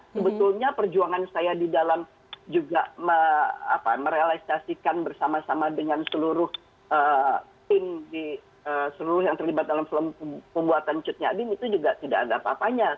sebetulnya perjuangan saya di dalam juga merealisasikan bersama sama dengan seluruh tim di seluruh yang terlibat dalam film pembuatan cutnya dim itu juga tidak ada apa apanya